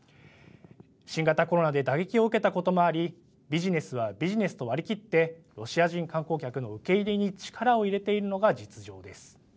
新型コロナで打撃を受けたこともありビジネスはビジネスと割り切ってロシア人観光客の受け入れに力を入れているのが実情です。